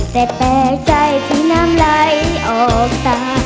แต่แปลกใจที่น้ำไหลออกตา